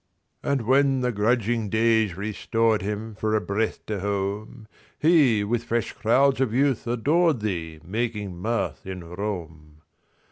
And when the grudging days restoredHim for a breath to home, He, with fresh crowds of youth, adoredThee making mirth in Rome.